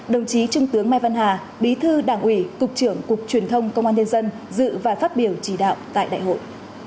đồng chí trung tướng mai văn hà bí thư đảng ủy cục trưởng cục truyền thông công an nhân dân dự và phát biểu chỉ đạo tại đại hội